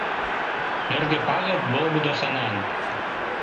Нӧргӧ пагыт волгыдо сынан.